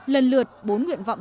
lần lượt bốn nguyện vọng